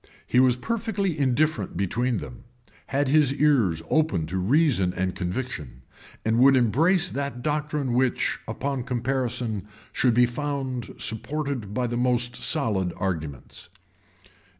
He was perfectly indifferent between them; had his ears open to reason and conviction; and would embrace that doctrine which, upon comparison, should be found supported by the most solid arguments.